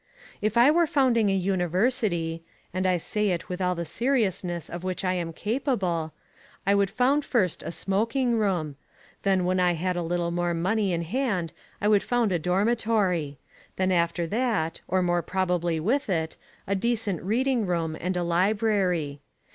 If I were founding a university and I say it with all the seriousness of which I am capable I would found first a smoking room; then when I had a little more money in hand I would found a dormitory; then after that, or more probably with it, a decent reading room and a library.